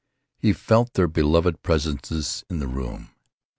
He felt their beloved presences in the room.